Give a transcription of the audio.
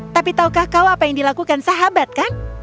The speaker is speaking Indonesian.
tapi tahukah kau apa yang dilakukan sahabat kan